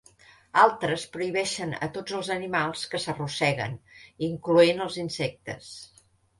Altres prohibeixen a tots els animals que s'arrosseguen, incloent els insectes.